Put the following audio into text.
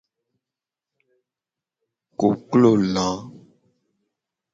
Koklo la.